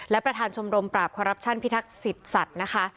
และประธานชมรมปราบคอรัปชั่นพิทักษิตสัตว์นะคะ